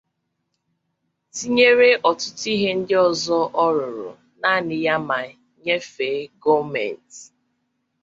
tinyere ọtụtụ ihe ndị ọzọ ọ rụrụ nnanị ya ma nyefee gọọmenti